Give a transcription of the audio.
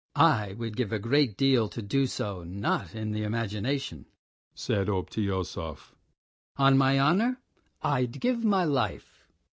"I would give a great deal to do so not in imagination," said Obtyosov. "On my honour, I'd give my life."